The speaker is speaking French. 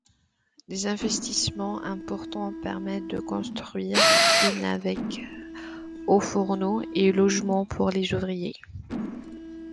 Des investissements importants permettent de construire une avec haut-fourneau et logement pour les ouvriers.